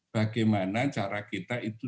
bagaimana cara kita itu